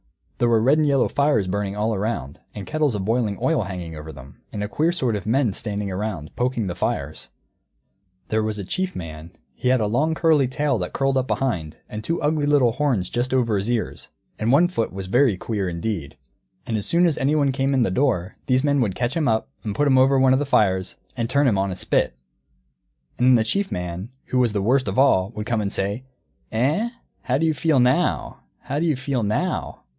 There were red and yellow fires burning all around, and kettles of boiling oil hanging over them, and a queer sort of men standing round, poking the fires. There was a Chief Man; he had a long curly tail that curled up behind, and two ugly little horns just over his ears; and one foot was very queer indeed. And as soon as anyone came in the door, these men would catch him up and put him over one of the fires, and turn him on a spit. And then the Chief Man, who was the worst of all, would come and say, "Eh, how do you feel now? How do you feel now?"